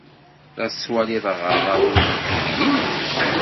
La tettwalid aɣerrabu deg yigli?